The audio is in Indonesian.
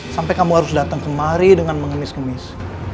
sampai kamu harus datang kemari dengan mengemis ngemis